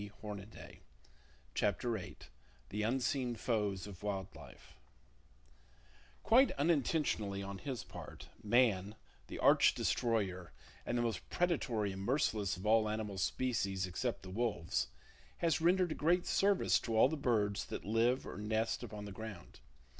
[Page 73] CHAPTER VIII UNSEEN FOES OF WILD LIFE Quite unintentionally on his part, Man, the arch destroyer and the most predatory and merciless of all animal species except the wolves, has rendered a great service to all the birds that live or nest upon the ground.